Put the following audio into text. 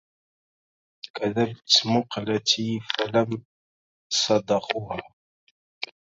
كذبت مقلتي فلم صدقوها